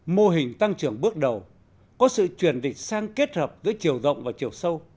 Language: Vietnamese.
mô hình tăng trường bước đầu có sự truyền định sang kết hợp với chiều rộng và chiều sâu